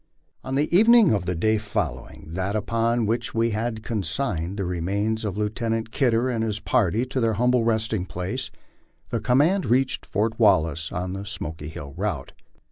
ON the evening of the day following that upon which we had consigned the remains of Lieutenant Kidder and his party to their humble resting place, the command reached Fort Wallace on the Smoky Hill route.